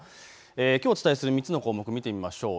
きょうお伝えする３つの項目見てみましょう。